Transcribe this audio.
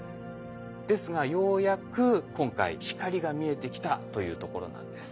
ですがようやく今回光が見えてきたというところなんです。